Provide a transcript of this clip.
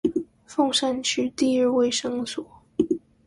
鳳山區第二衛生所